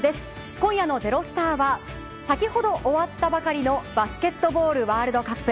今夜の「＃ｚｅｒｏｓｔａｒ」は先ほど終わったばかりのバスケットボールワールドカップ。